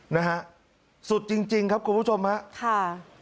นะฮะสุดจริงครับคุณผู้ชมครับ